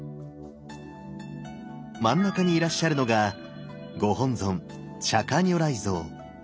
真ん中にいらっしゃるのがご本尊釈如来像。